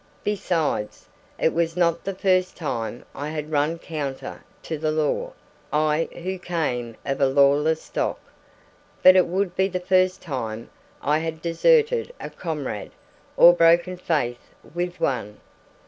Besides, it was not the first time I had run counter to the law, I who came of a lawless stock; but it would be the first time I had deserted a comrade or broken faith with one.